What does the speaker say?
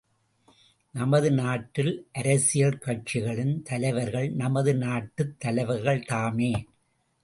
நமது நாட்டில் அரசியல் கட்சிகளின் தலைவர்கள் நமது நாட்டுத் தலைவர்கள் தாமே!